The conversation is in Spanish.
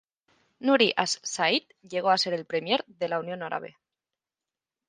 Nuri as-Said llegó a ser el Premier de la Unión Árabe.